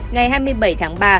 ngày hai mươi bảy tháng ba